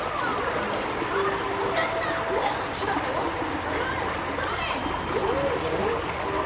これはゾウです！